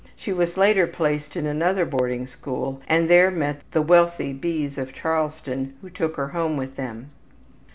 She was later placed in another boarding school and there met the wealthy B.'s of Charleston who took her home with them.